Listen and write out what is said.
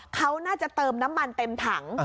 เขาน่าจะเติมน้ำมันเต็มถัง